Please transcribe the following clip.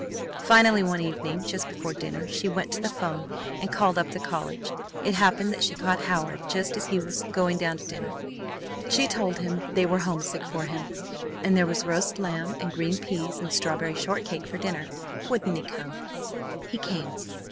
Finally, one evening just before dinner, she went to the 'phone and called up the college. It happened that she caught Howard just as he was going down to dinner. She told him they were homesick for him and there was roast lamb and green peas and strawberry shortcake for dinner, wouldn't he come? He came.